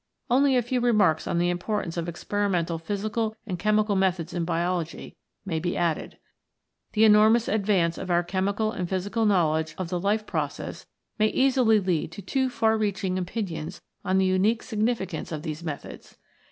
Only a few remarks on the importance of experimental physical and chemical methods in Biology may be added. The enormous advance of our chemical and physical knowledge of the life process may easily lead to too far reaching opinions on the unique significance of these methods.